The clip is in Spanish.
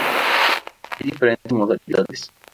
Hay diferentes modalidades.